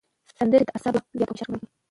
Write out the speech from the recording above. سندرې د اعصابو ځواک زیاتوي او فشار کموي.